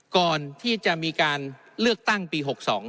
ก่อนที่จะมีการเลือกตั้งปี๖๒